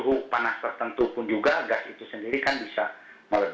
dan kalau suhu panas tertentu pun juga gas itu sendiri kan bisa terjadi